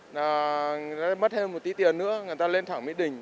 nó mất thêm một tí tiền nữa người ta lên thẳng mỹ đình